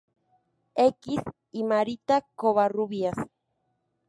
X y Marita Covarrubias.